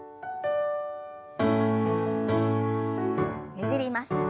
ねじります。